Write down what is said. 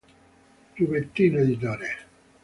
Rubbettino editore.